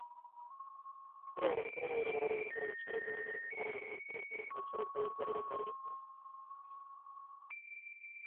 并五苯有机薄膜晶体管和有机场效应晶体管的研究是一个热门领域。